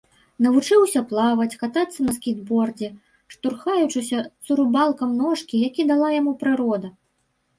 Навучыўся плаваць, катацца на скейтбордзе, штурхаючыся цурубалкам ножкі, які дала яму прырода.